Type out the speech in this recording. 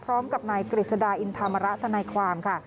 พร้อมกับนายกฤษดาอินธรรมระทนายความค่ะ